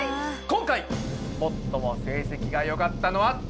今回最も成績がよかったのは。